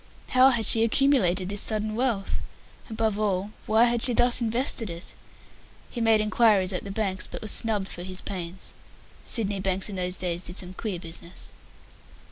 How had she accumulated this sudden wealth? Above all, why had she thus invested it? He made inquiries at the banks, but was snubbed for his pains. Sydney banks in those days did some queer business.